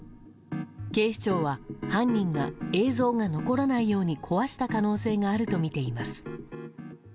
警視庁は犯人が映像が残らないように壊した可能性があるとみています。